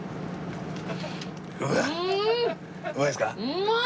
うまい！